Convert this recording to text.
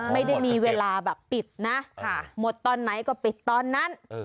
ไม่ได้มีเวลาแบบปิดนะหมดตอนไหนก็ปิดตอนนั้น